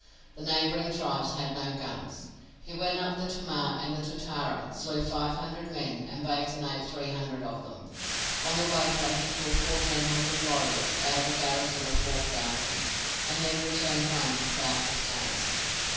The neighbouring tribes had no guns. He went up the Tamar, and at Totara slew five hundred men, and baked and ate three hundred of them. On the Waipa he killed fourteen hundred warriors out of a garrison of four thousand, and then returned home with crowds of slaves.